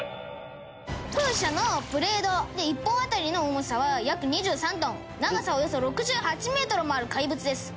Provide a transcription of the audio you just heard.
「風車のブレード１本当たりの重さは約２３トン」「長さおよそ６８メートルもある怪物です」